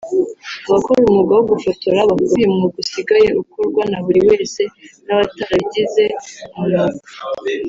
abakora umwuga wo gufotora bavuga ko uyu mwuga usigaye ukorwa na buri wese n’abatarabigize umwuga